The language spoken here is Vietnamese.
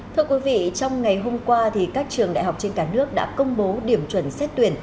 thưa quý vị trong ngày hôm qua các trường đại học trên cả nước đã công bố điểm chuẩn xét tuyển